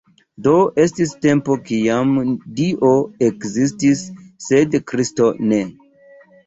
Do estis tempo kiam Dio ekzistis, sed Kristo ne.